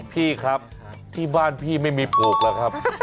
พี่ครับที่บ้านพี่ไม่มีปลูกหรอกครับ